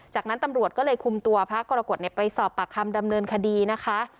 จากนั้นตำรวจก็เลยคุมตัวพระกรกฎไปสอบปากคำดำเนินคดีนะคะ